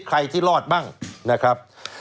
ใครที่รอดบ้างนะครับ